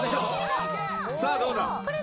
さあどうだ？